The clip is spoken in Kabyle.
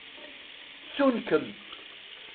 Ttun-kem.